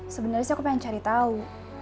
sebenernya sih aku pengen cari tau